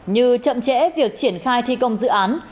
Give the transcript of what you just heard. như chậm trễ việc triển khai thi công dự án